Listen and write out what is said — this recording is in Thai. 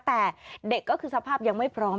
แต่เด็กก็คือสภาพยังไม่พร้อม